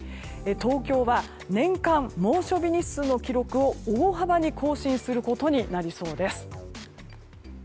東京は、年間猛暑日日数の記録を大幅に更新することになりそうです。